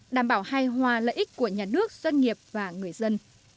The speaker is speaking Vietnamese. đảm bảo hài hòa lợi ích của nhà nước doanh nghiệp và người dân